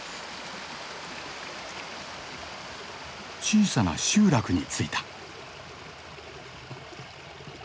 小さな集落に着いた。